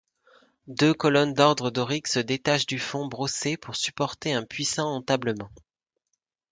Deux colonnes d'ordre dorique se détachent du fond brossé pour supporter un puissant entablement.